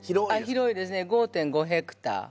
広いですね５．５ヘクタール。